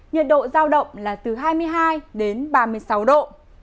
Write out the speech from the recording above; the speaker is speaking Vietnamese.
nhiệt độ giao động là từ hai mươi hai đến ba mươi sáu độ